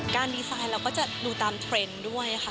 ดีไซน์เราก็จะดูตามเทรนด์ด้วยค่ะ